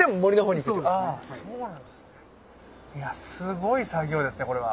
いやすごい作業ですねこれは。